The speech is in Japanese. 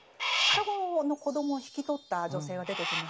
双子の子供を引き取った女性が出てきましたよね。